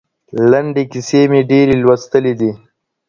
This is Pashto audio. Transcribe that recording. لنډي کیسې مي ډېرې لوستلې دي.